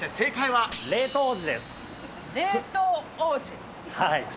はい。